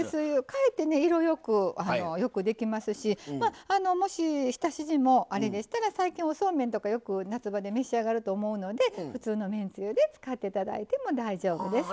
かえってね色よくよくできますしもし浸し地もあれでしたら最近おそうめんとかよく夏場で召し上がると思うので普通のめんつゆで使って頂いても大丈夫です。